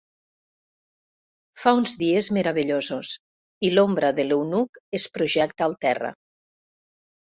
Fa uns dies meravellosos i l'ombra de l'eunuc es projecta al terra.